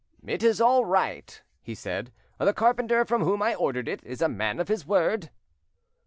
"It is all right," he said, "the carpenter from whom I ordered it is a man of his word."